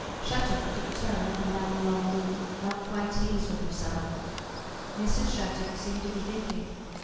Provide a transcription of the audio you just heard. Shattuck took a turn up and down the long room, not quite at ease with himself. Mrs. Shattuck seemed to be thinking.